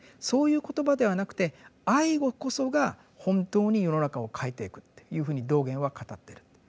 そういう言葉ではなくて「愛語」こそが本当に世の中を変えていくっていうふうに道元は語ってる。